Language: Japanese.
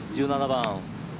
１７番。